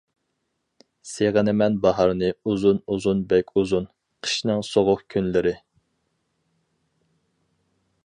سېغىنىمەن باھارنى ئۇزۇن-ئۇزۇن بەك ئۇزۇن، قىشنىڭ سوغۇق كۈنلىرى.